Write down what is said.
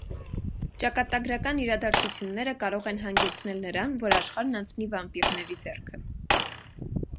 Ճակատագրական իրադարձությունները կարող են հանգեցնել նրան, որ աշխարհն անցնի վամպիրների ձեռքը։